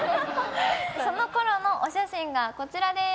そのころのお写真がこちらです。